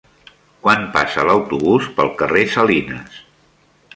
Quan passa l'autobús pel carrer Salines?